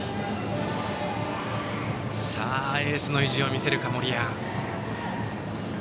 エースの意地を見せるか、森谷。